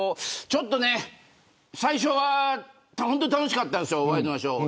最初は本当に楽しかったんですワイドナショー。